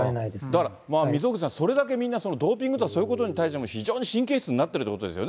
だから溝口さん、それだけみんな、ドーピングとか、そういうことに対して、非常に神経質になってるということですよ